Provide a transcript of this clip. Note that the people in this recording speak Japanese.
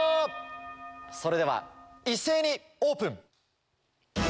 それでは一斉にオープン。